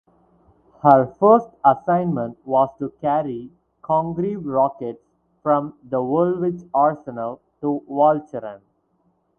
Her first assignment was to carry Congreve rockets from the Woolwich Arsenal to Walcheren.